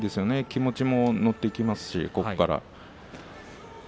気持ちも乗っていきますしここから。